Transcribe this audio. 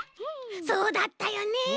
そうだったよね。